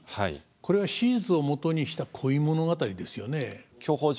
これは史実をもとにした恋物語ですよね。